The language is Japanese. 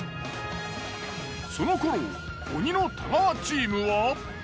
その頃鬼の太川チームは。